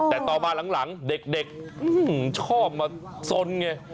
แต่ต่อมาหลังเด็กชอบมาสนไง